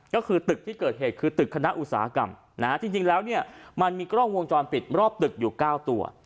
ก็คือตึกที่เกิดเหตุคือตึกคณะอุตสาหกรรมนะฮะจริงแล้วเนี่ยมันมีกล้องวงจรปิดรอบตึกอยู่๙ตัว